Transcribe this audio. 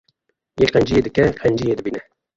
Yê qenciyê dike, qenciyê dibîne.